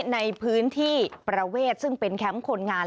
ในพื้นที่ประเวทซึ่งเป็นแคมป์คนงาน